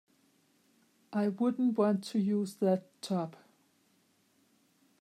I wouldn't want to use that tub.